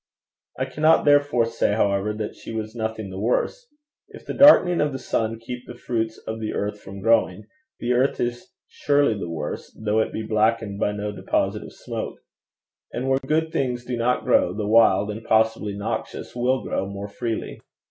I cannot therefore say, however, that she was nothing the worse. If the darkening of the sun keep the fruits of the earth from growing, the earth is surely the worse, though it be blackened by no deposit of smoke. And where good things do not grow, the wild and possibly noxious will grow more freely.